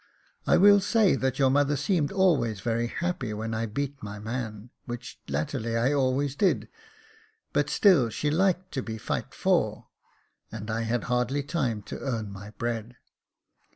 I will say that your mother seemed always very happy when I beat my man, which latterly I always did j but still she liked to be Jit for, and I had hardly time to earn my bread.